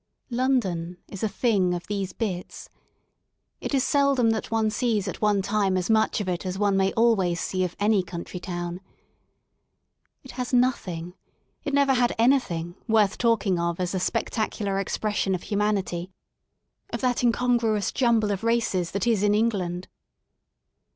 London is a thing of these " bits." It is seldom that one sees at one time as much of it as one may always see of any country town. It has nothing, it never had anything, worth talking of as a spectacular expression of humanity, of that incongruous jumble of races that is in England.